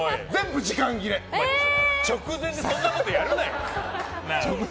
直前でそんなことやるなよ！